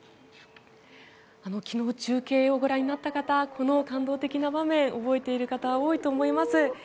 昨日、中継をご覧になった方この感動的な場面覚えている方多いと思います。